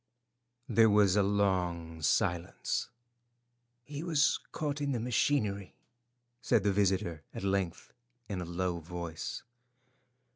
There was a long silence. "He was caught in the machinery," said the visitor at length in a low voice.